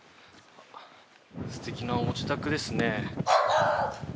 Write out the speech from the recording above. すてきなご自宅ですね。